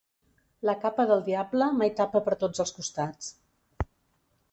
La capa del diable mai tapa per tots els costats.